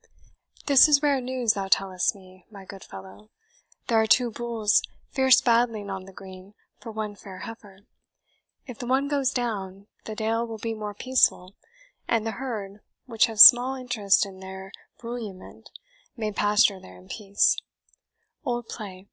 CHAPTER XIV. This is rare news thou tell'st me, my good fellow; There are two bulls fierce battling on the green For one fair heifer if the one goes down, The dale will be more peaceful, and the herd, Which have small interest in their brulziement, May pasture there in peace. OLD PLAY.